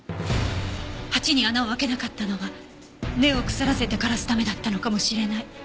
鉢に穴を開けなかったのは根を腐らせて枯らすためだったのかもしれない。